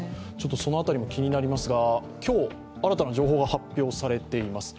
その辺りも気になりますが、今日新たな情報も発表されています。